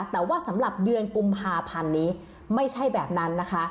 แต่ว่าสำหรับเดือนกุมภาพันธ์นี้ไม่ใช่แบบนั้นนะคะ